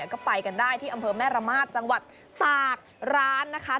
ก็ไปกันได้ที่อำเภอแม่ระมาทจังหวัดตากร้านนะคะ